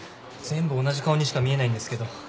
全部同じ顔にしか見えないんですけど。